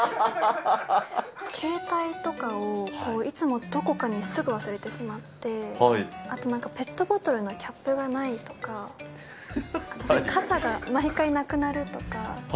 携帯とかをいつもどこかにすぐ忘れてしまって、あとなんかペットボトルのキャップがないとか、傘が毎回なくなるとか。